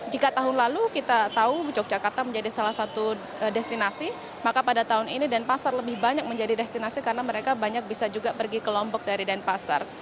jika tahun lalu kita tahu yogyakarta menjadi salah satu destinasi maka pada tahun ini denpasar lebih banyak menjadi destinasi karena mereka banyak bisa juga pergi ke lombok dari denpasar